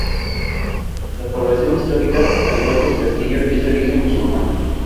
La población histórica, al igual que su castillo, es de origen musulmán.